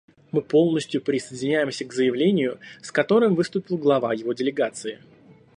Мы полностью присоединяемся к заявлению, с которым выступил глава его делегации.